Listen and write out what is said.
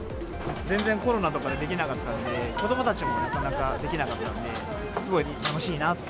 全然コロナとかでできなかったので、子どもたちもなかなかできなかったので、すごい楽しいなって。